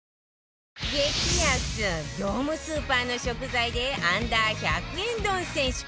激安業務スーパーの食材で Ｕ−１００ 円丼選手権